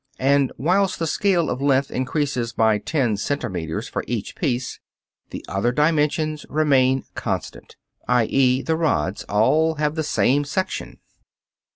and, whilst the scale of length increases by ten centimeters for each piece, the other dimensions remain constant (i.e., the rods all have the same section).